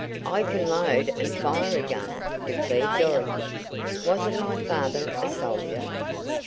"I can load and fire a gun," declared Dorothy. "Wasn't my father a soldier?"